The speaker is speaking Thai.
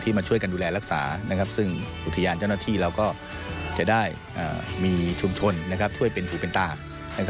มาช่วยกันดูแลรักษาซึ่งอุทยานเจ้าหน้าที่เราก็จะได้มีชุมชนช่วยเป็นหูเป็นตา